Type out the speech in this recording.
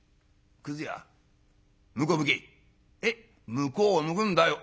「向こう向くんだよ」。